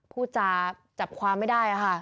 พูดจาจับความไม่ได้ค่ะ